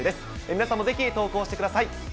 皆さんもぜひ、投稿してください。